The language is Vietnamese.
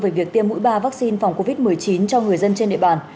về việc tiêm mũi ba vaccine phòng covid một mươi chín cho người dân trên địa bàn